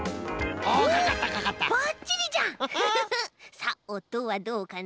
さあおとはどうかな？